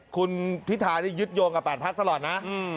คุณพิธานี่ยึดโยงกับ๘พักตลอดนะ